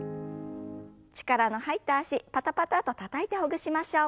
力の入った脚パタパタッとたたいてほぐしましょう。